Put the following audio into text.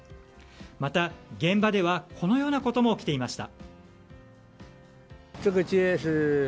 また、現場ではこのようなことも起きていました。